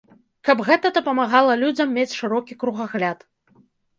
Каб гэта дапамагала людзям мець шырокі кругагляд.